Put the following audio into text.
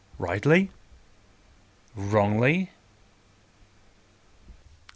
— Rightly? Wrongly?